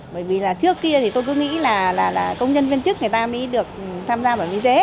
bởi vì là trước kia thì tôi cứ nghĩ là công nhân viên chức người ta mới được tham gia bảo hiểm y tế